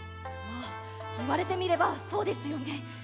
まあいわれてみればそうですよね。